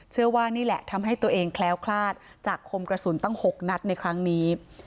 เชื่อว่านี่แหละทำให้ตัวเองแคล้วคลาดจากคมกระสุนตั้ง๖นัดในครั้งนี้